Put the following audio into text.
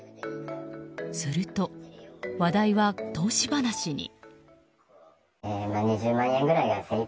すると、話題は投資話に。